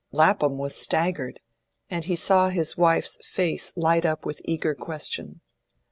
Lapham was staggered, and he saw his wife's face light up with eager question.